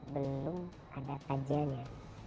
belum ada tajiannya